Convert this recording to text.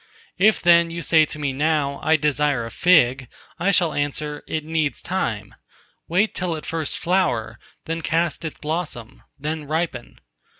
If then you say to me now, I desire a fig, I shall answer, It needs time: wait till it first flower, then cast its blossom, then ripen.